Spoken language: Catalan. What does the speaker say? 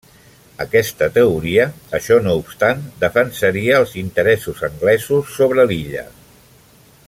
Aquesta teoria, això no obstant, defensaria els interessos anglesos sobre l'illa.